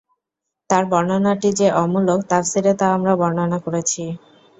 তার বর্ণনাটি যে অমূলক, তাফসীরে তা আমরা বর্ণনা করেছি।